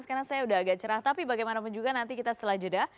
sekarang saya udah agak cerah tapi bagaimanapun juga nanti kita setelah jeda